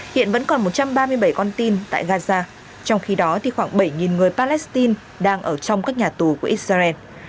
hiện vẫn còn một trăm ba mươi bảy con tin tại gaza trong khi đó thì khoảng bảy người palestine đang ở trong các nhà tù của israel